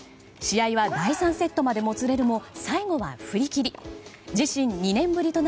試合は第３セットまでもつれるも最後は振り切り。